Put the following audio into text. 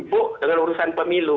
kita harus memiliki keputusan pemilu